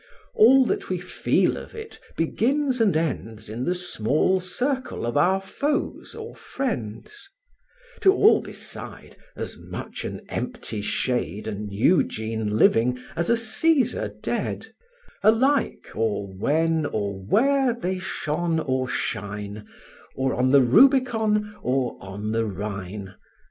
All that we feel of it begins and ends In the small circle of our foes or friends; To all beside as much an empty shade An Eugene living, as a Cæsar dead; Alike or when, or where, they shone, or shine, Or on the Rubicon, or on the Rhine.